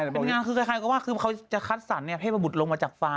เป็นงานคือใครก็ว่าคือเขาจะคัดสรรเทพบุตรลงมาจากฟ้า